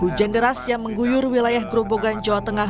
hujan deras yang mengguyur wilayah grobogan jawa tengah